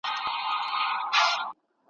اوږد خوابدی د کورنۍ اړيکي څنګه سستوي؟